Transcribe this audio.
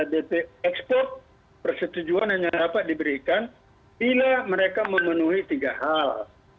dp ekspor persetujuan hanya dapat diberikan bila mereka memenuhi tiga hal